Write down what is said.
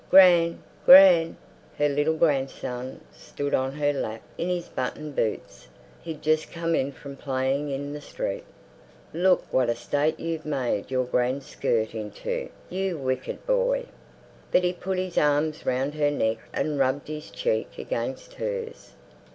"Gran! Gran!" Her little grandson stood on her lap in his button boots. He'd just come in from playing in the street. "Look what a state you've made your gran's skirt into—you wicked boy!" But he put his arms round her neck and rubbed his cheek against hers.